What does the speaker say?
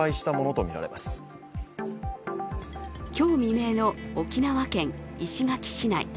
今日未明の沖縄県石垣市内。